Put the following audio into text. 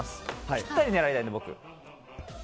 ぴったりを狙いたいので、僕。